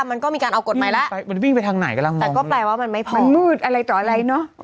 มันก็มีการเอากฎหมายและร่างมืดอะไรต่ออะไร